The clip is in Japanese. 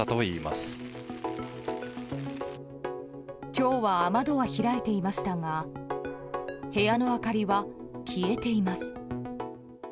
今日は雨戸は開いていましたが部屋の明かりは消えています。